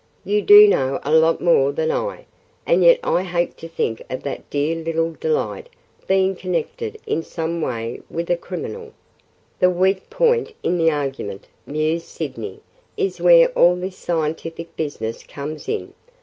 "You do know a lot more than I. And yet I hate to think of that dear little Delight being connected in some way with a – a criminal!" "The weak point in the argument," mused Sydney, "is where all this scientific business comes in.